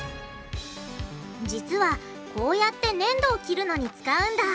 実はこうやってねんどを切るのに使うんだ！